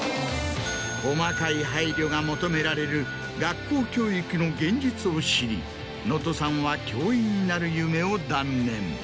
細かい配慮が求められる学校教育の現実を知り能登さんは教員になる夢を断念。